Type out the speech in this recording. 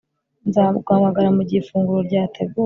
Nzaguhamagara mugihe ifunguro ryateguwe